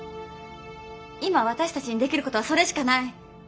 今私たちにできることはそれしかない。